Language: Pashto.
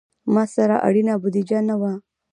ما سره اړینه بودیجه نه وه.